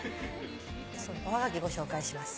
おはがきご紹介します。